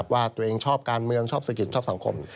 ว่าตัวเองชอบการเมืองชอบเศรษฐกิจชอบสังคม